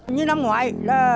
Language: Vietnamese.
như năm ngoái